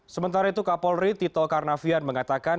sementara itu kapolri tito karnavian mengatakan